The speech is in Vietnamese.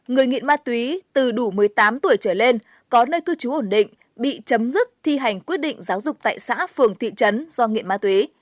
người nghiện ma túy từ đủ một mươi tám tuổi trở lên có nơi cư trú ổn định bị chấm dứt thi hành quyết định giáo dục tại xã phường thị trấn do nghiện ma túy